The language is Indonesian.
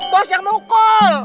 bos yang mukul